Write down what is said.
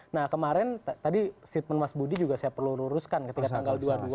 nah kemarin tadi statement mas budi juga saya perlu luruskan ketika tanggal dua puluh dua